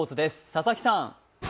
佐々木さん。